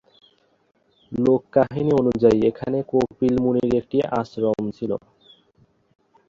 লোক-কাহিনী অনুযায়ী এখানে কপিল মুনির একটি আশ্রম ছিল।